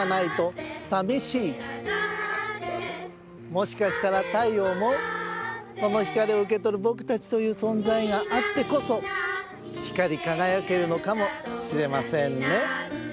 もしかしたら太陽もその光を受けとるぼくたちというそんざいがあってこそ光りかがやけるのかもしれませんね。